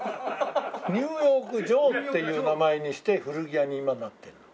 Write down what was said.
「ニューヨークジョー」っていう名前にして古着屋に今なってるの。